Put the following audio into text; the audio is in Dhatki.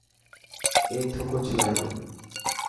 اي ٿڪ اوڇلائي تو.